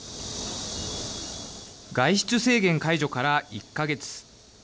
外出制限解除から１か月。